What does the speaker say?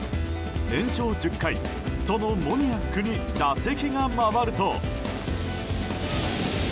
延長１０回、そのモニアックに打席が回ると。